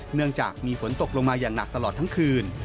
เนื่องจากมีฝนตกลงมาอย่างหนักตลอดทั้งคืน